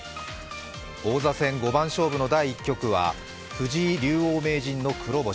王座戦五番勝負の第１局は、藤井竜王名人の黒星。